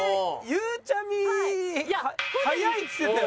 ゆうちゃみ速いって言ってたよね？